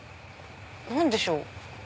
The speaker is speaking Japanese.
何でしょう？